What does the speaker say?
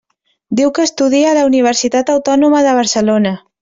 Diu que estudia a la Universitat Autònoma de Barcelona.